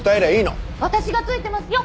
私がついてますよ